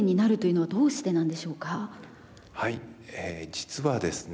実はですね